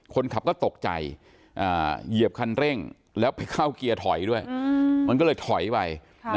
คนขับก็ตกใจเหยียบคันเร่งแล้วไปเข้าเกียร์ถอยด้วยมันก็เลยถอยไป